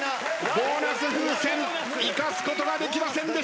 ボーナス風船生かすことができませんでした。